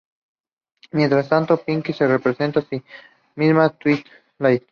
Mientras tanto, Pinkie se presenta a sí misma a Twilight.